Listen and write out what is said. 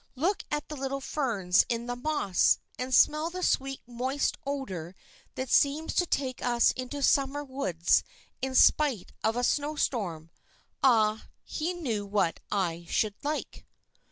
Look at the little ferns in the moss, and smell the sweet moist odor that seems to take us into summer woods in spite of a snowstorm. Ah, he knew what I should like."